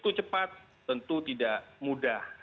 itu cepat tentu tidak mudah